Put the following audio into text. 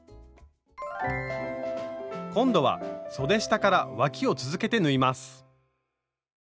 今度はそで下からわきを続けて縫います。